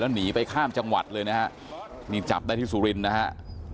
หนีไปข้ามจังหวัดเลยนะฮะนี่จับได้ที่สุรินทร์นะฮะ